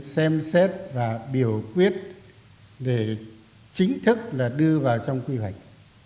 xem xét và biểu quyết để chính thức là đưa vào trong quy hoạch